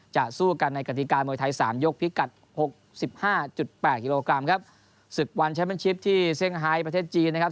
จะสู้กันในกฎีการมวยไทยสามยกพิกัดหกสิบห้าจุดแปดกิโลกรัมครับศึกวันที่เซ่งไฮท์ประเทศจีนนะครับ